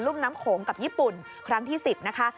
ุ่มน้ำโขงกับญี่ปุ่นครั้งที่๑๐นะคะ